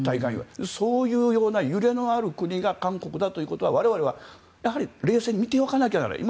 そういうような揺れのある国が韓国だということは我々は冷静に見ておかないといけない。